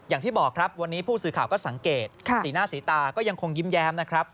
อย่างที่บอกครับวันนี้ผู้สื่อข่าวก็สังเกตสีหน้าสีตาก็ยังคงยิ้มแย้มนะครับ